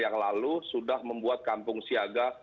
yang lalu sudah membuat kampung siaga